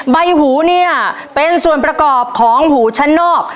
ใบหูเนี่ยเป็นส่วนประกอบของหูชั้นนอก